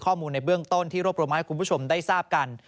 ข้อมูลในเบื้องต้นที่รวบรวมมาให้คุณผู้ชมได้ทราบกัน